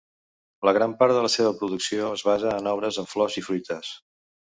La gran part de la seva producció es basa en obres amb flors i fruites.